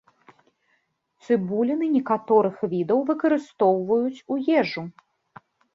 Цыбуліны некаторых відаў выкарыстоўваюць у ежу.